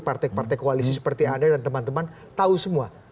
partai partai koalisi seperti anda dan teman teman tahu semua